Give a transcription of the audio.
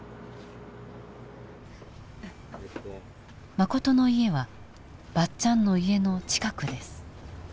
マコトの家はばっちゃんの家の近くです。